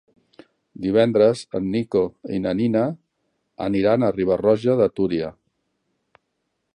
Divendres en Nico i na Nina aniran a Riba-roja de Túria.